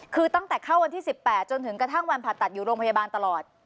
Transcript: คือตั้งแต่เข้าวันที่๑๘จนถึงกระทั่งวันผ่าตัดอยู่โรงพยาบาลตลอด